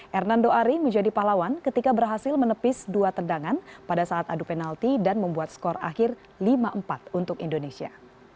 hernando ari menjadi pahlawan ketika berhasil menepis dua tendangan pada saat adu penalti dan membuat skor akhir lima empat untuk indonesia